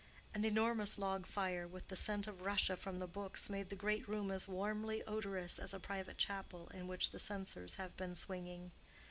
An enormous log fire, with the scent of Russia from the books, made the great room as warmly odorous as a private chapel in which the censers have been swinging.